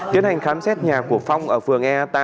tiến hành khám xét nhà của phong ở phường e ba